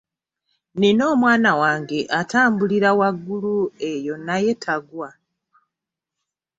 Nina omwana wange atambulira waggulu eyo naye tagwa.